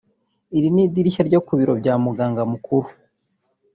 Iri ni idirishya ryo ku biro bya muganga mukuru